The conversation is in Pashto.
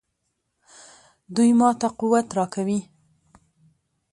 دوی ماته قوت راکوي.